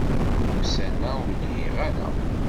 Ussan-a, ur lhiɣ ara.